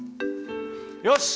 よし！